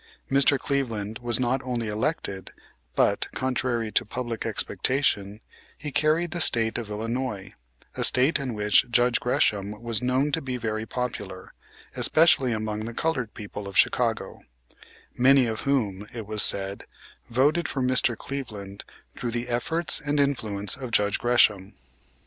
Mr. Cleveland was not only elected, but, contrary to public expectation, he carried the State of Illinois, a State in which Judge Gresham was known to be very popular, especially among the colored people of Chicago; many of whom, it was said, voted for Mr. Cleveland through the efforts and influence of Judge Gresham.